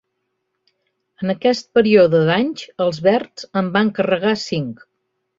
En aquest període d'anys, els verds en van carregar cinc.